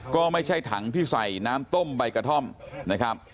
ก็ไม่ใช่ถังที่ใส่น้ำต้มใบกระท่อมนะครับ